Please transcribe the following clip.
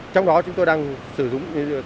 trong đó chúng tôi đang sử dụng